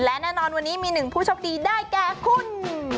และแน่นอนวันนี้มีหนึ่งผู้โชคดีได้แก่คุณ